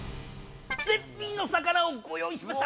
絶品の魚をご用意しました！